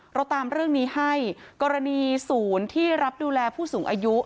เราตามเรื่องนี้ให้กรณีศูนย์ที่รับดูแลผู้สูงอายุ